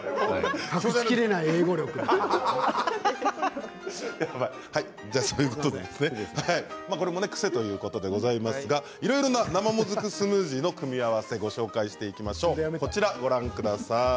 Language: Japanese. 笑い声これも癖ということでございますがいろいろな生もずくスムージーの組み合わせご紹介していきましょう。